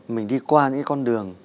mình đi qua những con đường